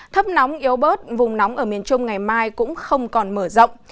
thấp nóng yếu bớt vùng nóng ở miền trung ngày mai cũng không còn mở rộng